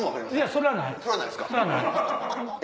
それはない！